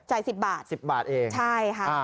จ่าย๑๐บาท๑๐บาทเองใช่ค่ะ